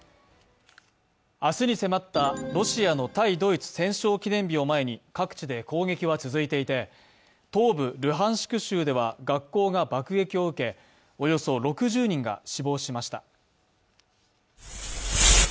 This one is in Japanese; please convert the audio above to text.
明日に迫ったロシアの対ドイツ戦勝記念日を前に各地で攻撃は続いていて、東部ルハンシク州では学校が爆撃を受け、およそ６０人が死亡しました。